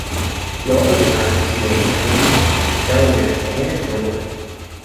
He also designed the Seal of New Jersey, of Delaware, and of Georgia.